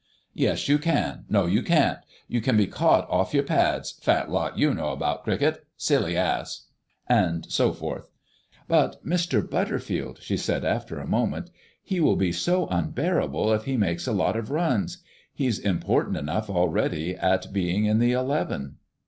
"Yes, you can." "No, you can't." "You can't be caught off your pads. Fat lot you know about cricket." "Silly ass." And so forth. "But, Mr. Butterfield," she said after a moment, "he will be so unbearable if he makes a lot of runs. He's important enough already at being in the eleven."